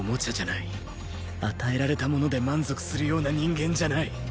与えられたもので満足するような人間じゃない